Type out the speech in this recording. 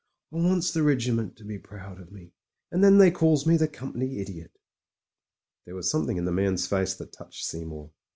I wants the regiment to be proud of me — and then they calls me the Com pany Idiot/' There was something in the man's face that touched Seymour.